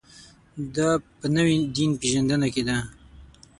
دا په نوې دین پېژندنه کې ده.